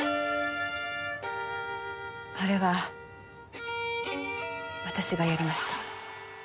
あれは私がやりました。